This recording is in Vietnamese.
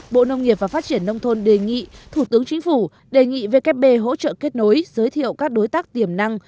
bộ nông nghiệp và phát triển nông thôn đề nghị thủ tướng chính phủ đề nghị vkp hỗ trợ kết nối giới thiệu các đối tác tiềm năng